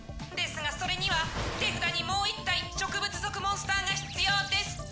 ですがそれには手札にもう一体植物族モンスターが必要です。